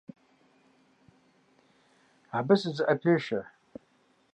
Абы сызэӏэпешэ.